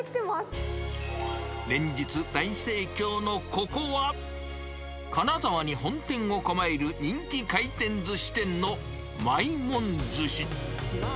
連日、大盛況のここは、金沢に本店を構える人気回転ずし店のまいもん寿司。